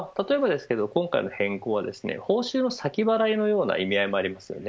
例えばですが、今回の変更は報酬の先払いのような意味合いもあります。